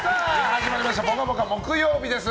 始まりました「ぽかぽか」木曜日です。